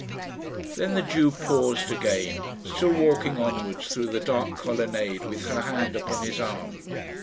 Then the Jew paused again, still walking onwards through the dark colonnade with her hand upon his arm.